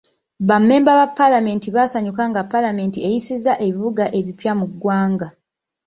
Ba mmemba ba paalamenti baasanyuka nga paalamenti eyisizza ebibuga ebipya mu ggwanga .